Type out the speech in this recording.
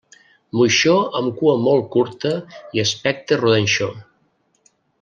Moixó amb cua molt curta i aspecte rodanxó.